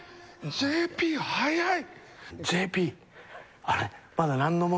ＪＰ早い！